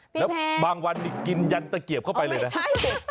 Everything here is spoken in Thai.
พี่เพชรบางวันกินยันตะเกียบเข้าไปเลยเนี่ยโอ้ไม่ใช่